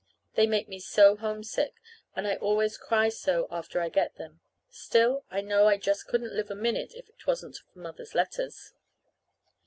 They make me so homesick, and I always cry so after I get them. Still, I know I just couldn't live a minute if 'twasn't for Mother's letters.